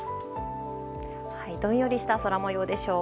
どんよりとした空模様でしょう。